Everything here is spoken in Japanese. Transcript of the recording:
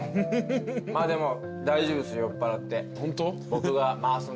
でも大丈夫です酔っぱらって。